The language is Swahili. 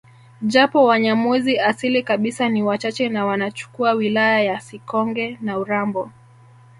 Japo wanyamwezi asili kabisa ni wachache na wanachukua wilaya ya Sikonge na urambo